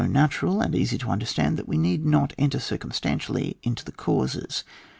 39 satural and easy to understand that we need not enter circumstantially into the causes.